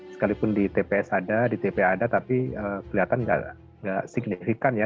sekalipun di tps ada di tpa ada tapi kelihatan nggak signifikan ya